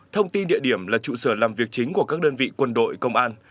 thông tin địa điểm là trụ sở làm việc chính của các đơn vị quân đội công an